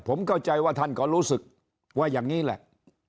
ผมเข้าใจว่าท่านก็รู้สึกว่าอย่างนี้แหละ